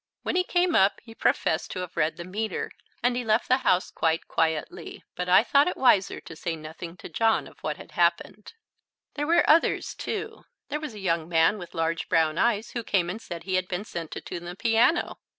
When he came up he professed to have read the meter and he left the house quite quietly. But I thought it wiser to say nothing to John of what had happened. There were others too. There was a young man with large brown eyes who came and said he had been sent to tune the piano.